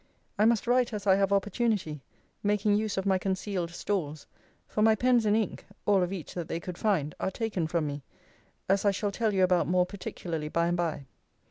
I must write as I have opportunity; making use of my concealed stores: for my pens and ink (all of each that they could find) are taken from me; as I shall tell you about more particularly by and by.